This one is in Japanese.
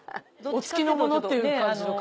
お付きの者っていう感じの顔。